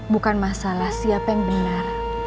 bukan masalah siapa yang benar